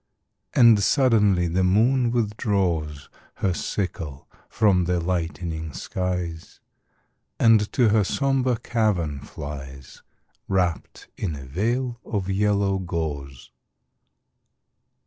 And suddenly the moon withdraws Her sickle from the lightening skies, And to her sombre cavern flies, Wrapped in a veil of yellow gauze.